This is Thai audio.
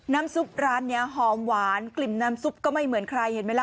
ซุปร้านนี้หอมหวานกลิ่นน้ำซุปก็ไม่เหมือนใครเห็นไหมล่ะ